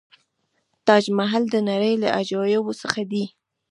تاج محل د نړۍ له عجایبو څخه دی.